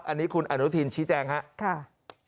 อันนี้คุณอนุทินชี้แจงครับ